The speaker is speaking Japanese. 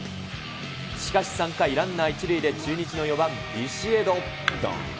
しかし３回、ランナー１塁で中日の４番ビシエド。